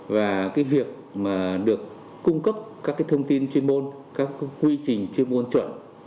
và việc được cung cấp các thông tin chuyên môn các quy trình chuyên môn chuẩn